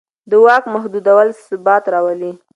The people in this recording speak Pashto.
د واک محدودول ثبات راولي